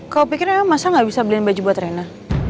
kau pikir emang masa gak bisa beliin baju buat rena